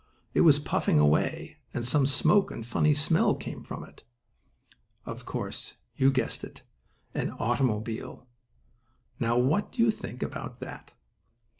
It was puffing away, and some smoke and a funny smell came from it. Of course, you've guessed it! An automobile! Now, what do you think about that?